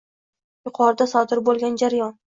Yuqorida sodir bo’lgan jarayon